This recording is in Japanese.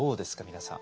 皆さん。